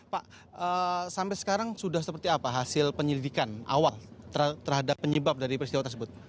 pak sampai sekarang sudah seperti apa hasil penyelidikan awal terhadap penyebab dari peristiwa tersebut